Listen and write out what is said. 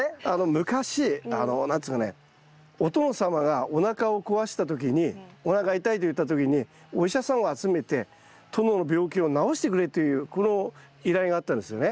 昔何ですかねお殿様がおなかを壊した時におなかが痛いと言った時にお医者さんを集めて殿の病気を治してくれというこの依頼があったんですよね。